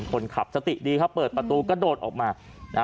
คนขับสติดีครับเปิดประตูกระโดดออกมานะฮะ